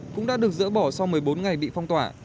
cũng đã được dỡ bỏ sau một mươi bốn ngày bị phong tỏa